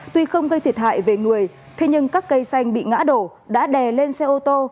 tuy không gây thiệt hại về người thế nhưng các cây xanh bị ngã đổ đã đè lên xe ô tô